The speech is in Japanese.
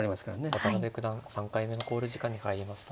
渡辺九段３回目の考慮時間に入りました。